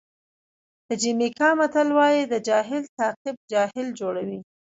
د جمیکا متل وایي د جاهل تعقیب جاهل جوړوي.